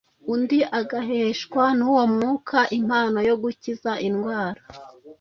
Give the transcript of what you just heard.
undi agaheshwa n’uwo Mwuka impano yo gukiza indwara,